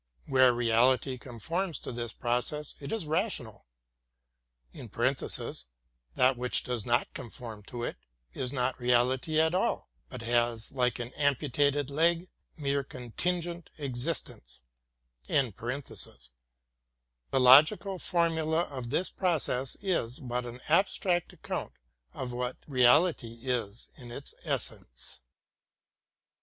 Where reality conforms to this process it is rational (that which does not conform to it is not reality at all, but has, like an amputated leg, mere contingent existence) ; the logical for mula of this process is but an abstract account of what reality is in its essence.